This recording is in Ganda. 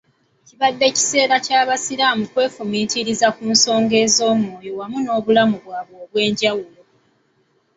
kibadde ekiseera ekya basiraamu okwefumiitiriza ku nsonga z'omwoyo awamu n'obulamu bwabwe obwabulijjo